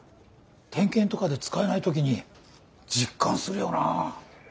点検とかで使えない時に実感するよなぁ。